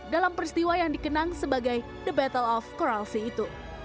dalam peristiwa yang dikenal sebagai kapal hidup utama amerika serikat